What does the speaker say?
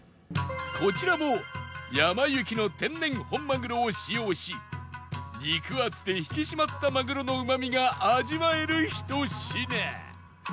こちらもやま幸の天然本まぐろを使用し肉厚で引き締まったまぐろのうまみが味わえるひと品